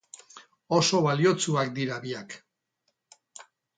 Oso baliotsuak dira biak.